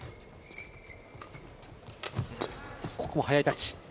ここも速いタッチ。